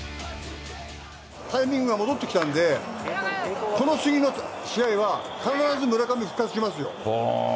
タイミングが戻ってきたんで、この次の試合は、必ず村上復活しますよ。